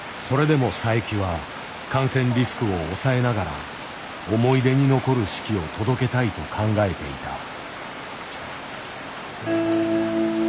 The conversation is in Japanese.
それでも佐伯は感染リスクを抑えながら思い出に残る式を届けたいと考えていた。